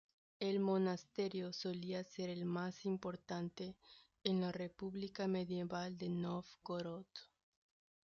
El monasterio solía ser el más importante en la república medieval de Novgorod.